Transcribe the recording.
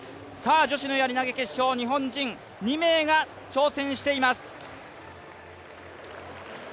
女子のやり投決勝、日本人２名が挑戦しています。